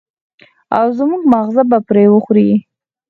او زموږ ماغزه به پرې وخوري.